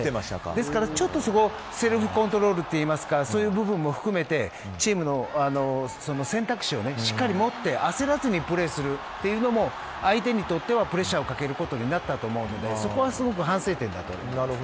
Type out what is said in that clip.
ですから、ちょっとそこをセルフコントロールといいますかそういう部分も含めてチームの選択肢をしっかり持って焦らずにプレーするというのも相手にとってはプレッシャーをかけることになったと思うのでそこは反省点だと思います。